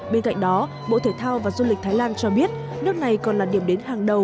bên cạnh đó bộ thể thao và du lịch thái lan cho biết nước này còn là điểm đến hàng đầu